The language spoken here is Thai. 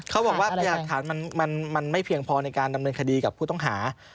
เขาบอกว่าพยากฐานมันไม่เพียงพอในการดำเนินคดีกับผู้ต้องหา